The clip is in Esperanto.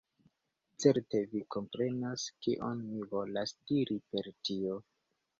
Certe vi komprenas kion mi volas diri per tio.